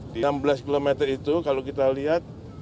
di enam belas km itu kalau kita lihat